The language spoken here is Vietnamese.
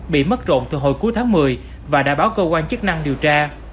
bị mất trộn từ hồi cuối tháng một mươi và đã báo cơ quan chức năng điều tra